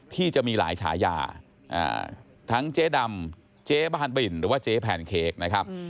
ที่จะมีหลายฉายาทั้งเจ๊ดำเจ๊บานบินหรือว่าเจ๊แพนเค้กนะครับ